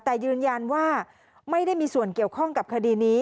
แต่ยืนยันว่าไม่ได้มีส่วนเกี่ยวข้องกับคดีนี้